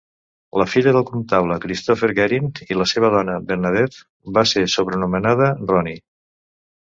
La filla del comptable Christopher Guerin i la seva dona, Bernadette, va ser sobrenomenada Ronnie.